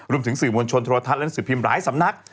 รวมถึงสื่อมวลชนโทรทัศน์และหนังสือพิมพ์หลายสำนัก